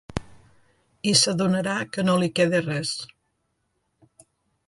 I s’adonarà que no li queda res.